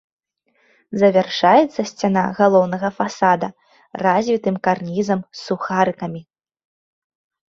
Завяршаецца сцяна галоўнага фасада развітым карнізам з сухарыкамі.